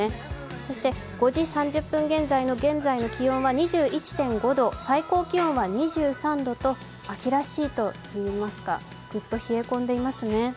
そして５時３０分現在の気温は２１．５度、最高気温は２３度と秋らしいといいますかぐっと冷え込んでいますね。